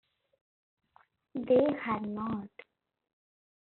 They had not.